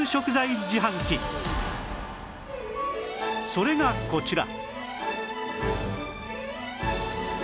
それがこちら